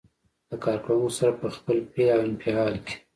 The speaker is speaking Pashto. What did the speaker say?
له کار کوونکو سره په خپل فعل او انفعال کې.